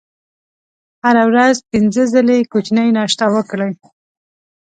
هره ورځ پنځه ځلې کوچنۍ ناشته وکړئ.